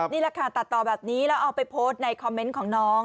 นี่แหละค่ะตัดต่อแบบนี้แล้วเอาไปโพสต์ในคอมเมนต์ของน้อง